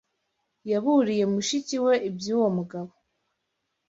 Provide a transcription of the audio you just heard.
Yaburiye mushiki we iby'uwo mugabo.